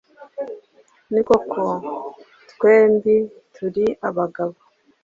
ni koko twembi turi abagabo,